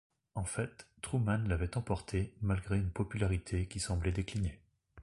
En fait, Truman l'avait emporté malgré une popularité qui semblait décliner.